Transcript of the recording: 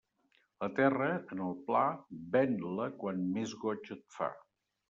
La terra, en el pla, ven-la quan més goig et fa.